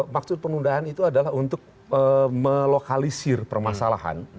maksud penundaan itu adalah untuk melokalisir permasalahan